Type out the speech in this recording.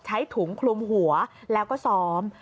ใช้ถุงคลุมหัวแล้วก็ซ้อม